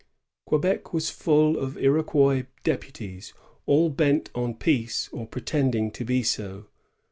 Quebec was full of Iroquois deputies, all bent on peace or pretending to be so.